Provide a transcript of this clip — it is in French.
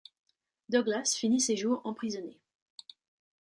Douglas finit ses jours emprisonné.